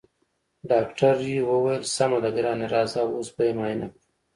ډاکټرې وويل سمه ده ګرانې راځه اوس به يې معاينه کړو.